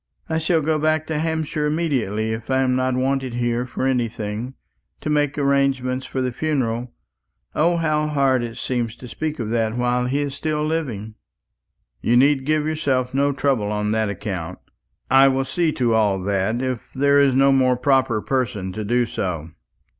"I shall go back to Hampshire immediately; if I am not wanted here for anything to make arrangements for the funeral. O, how hard it seems to speak of that while he is still living!" "You need give yourself no trouble on that account. I will see to all that, if there is no more proper person to do so."